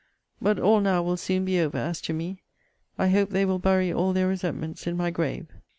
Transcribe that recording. But all now will soon be over, as to me. I hope they will bury all their resentments in my grave.